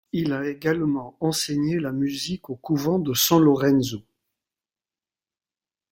Il a également enseigné la musique au couvent de San Lorenzo.